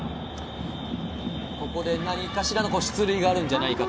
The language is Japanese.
ここで何かしらの出塁があるんじゃないかと。